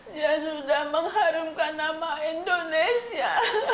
dia sudah mengharumkan nama indonesia